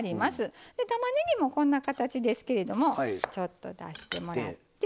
でたまねぎもこんな形ですけれどもちょっと出してもらって。